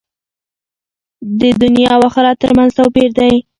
د دنیا او آخرت تر منځ توپیر دی.